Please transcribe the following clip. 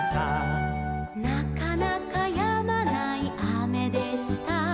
「なかなかやまないあめでした」